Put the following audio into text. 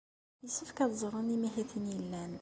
Yessefk ad ẓren imihiten yellan.